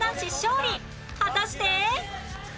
果たして